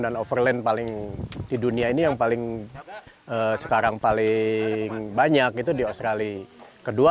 dan overland paling di dunia ini yang paling sekarang paling banyak itu di australia kedua